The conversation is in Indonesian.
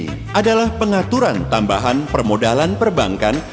ini adalah pengaturan tambahan permodalan perbankan